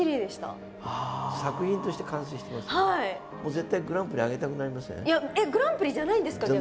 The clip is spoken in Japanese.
絶対グランプリあげたくなりますよね？